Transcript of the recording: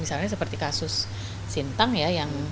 misalnya seperti kasus sintang ya